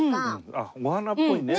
あっお花っぽいね。